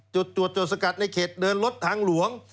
จุดสกัดในเขตเดินรถทางหลวง